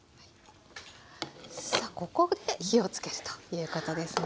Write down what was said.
さあここで火をつけるということですね。